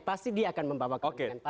pasti dia akan membawa kepentingan partai